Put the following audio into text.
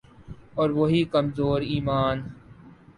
اور وہی کمزور ایمان۔